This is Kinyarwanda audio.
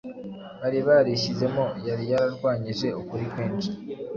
bari barishyizemo yari yararwanyije ukuri kwinshi.